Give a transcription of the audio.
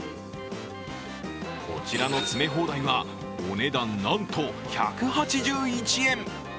こちらの詰め放題はお値段、なんと１８１円！